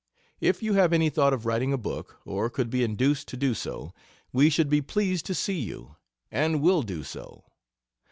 If you have any thought of writing a book, or could be induced to do so, we should be pleased to see you; and will do so.